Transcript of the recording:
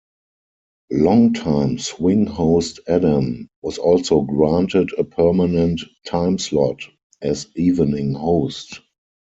Longtime swing host Adam was also granted a permanent timeslot, as evening host.